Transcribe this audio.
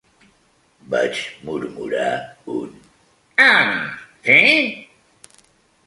Vaig murmurar un "Ah, sí?"